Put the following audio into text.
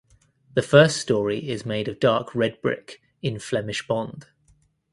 The first story is made of dark red brick in Flemish bond.